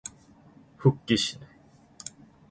웃기시네.